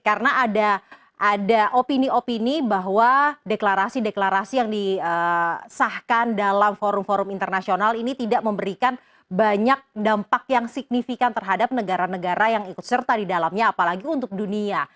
karena ada opini opini bahwa deklarasi deklarasi yang disahkan dalam forum forum internasional ini tidak memberikan banyak dampak yang signifikan terhadap negara negara yang ikut serta di dalamnya apalagi untuk dunia